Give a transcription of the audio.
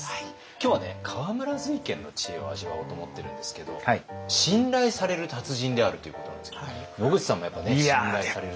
今日はね河村瑞賢の知恵を味わおうと思ってるんですけど信頼される達人であるということなんですけど野口さんもやっぱね信頼される。